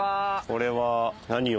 これは何を？